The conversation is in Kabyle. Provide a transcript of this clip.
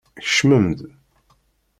Kecmem-d.